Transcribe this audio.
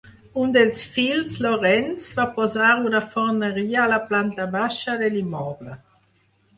Un dels fills, Llorenç, va posar una forneria a la planta baixa de l'immoble.